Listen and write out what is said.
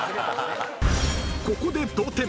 ［ここで同点！